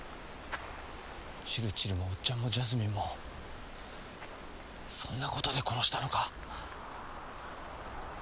チルチルもオッチャンもジャスミンもそんなことで殺したのか？